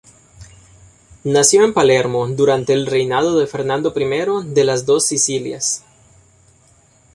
Nació en Palermo durante el reinado de Fernando I de las Dos Sicilias.